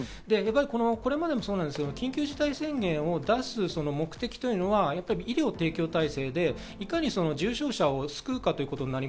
これまでもそうですけれども緊急事態宣言を出す目的というのは、医療提供体制でいかに重症者を救うかということ。